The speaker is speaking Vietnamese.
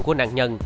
của nạn nhân